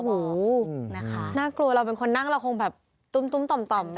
โอ้โหนะคะน่ากลัวเราเป็นคนนั่งเราคงแบบตุ้มต่อม